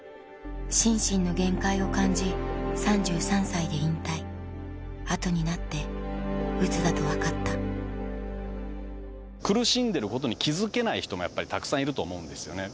心身の限界を感じ後になってうつだと分かった苦しんでることに気付けない人もやっぱりたくさんいると思うんですよね。